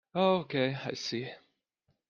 Oh okay, I see.